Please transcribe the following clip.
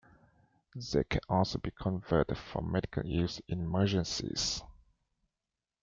They can also be converted for medical use in emergencies.